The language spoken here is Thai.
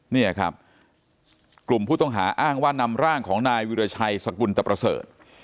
เนี่ยครับกลุ่มผู้ต้องหาอ้างว่านำร่างของนายวิราชัยสกุลตะประเสริฐ